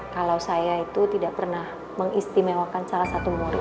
kalau saya itu tidak pernah mengistimewakan salah satu murid